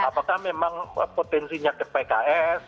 apakah memang potensinya ke pks